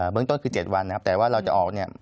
เรื่องต้นคือ๗วันนะครับแต่ว่าเราจะออกเนี่ย